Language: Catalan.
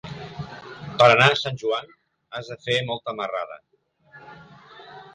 Per anar a Sant Joan has de fer molta marrada.